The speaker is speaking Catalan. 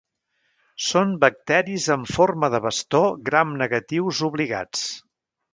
Són bacteris amb forma de bastó gram negatius obligats.